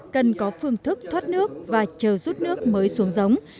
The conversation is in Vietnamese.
cần có phương thức thoát nước và chờ rút nước mới xuống giống